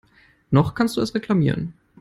Noch kannst du es reklamieren.